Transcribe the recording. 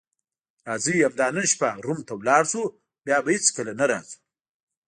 راځئ همدا نن شپه روم ته ولاړ شو او بیا به هیڅکله نه راځو.